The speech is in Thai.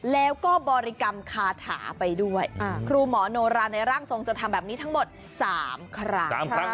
แล้วก็บริกรรมคาถาไปด้วยครูหมอโนราในร่างทรงจะทำแบบนี้ทั้งหมด๓ครั้ง